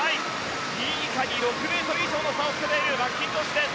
２位以下に６ｍ以上の差をつけているマッキントッシュです。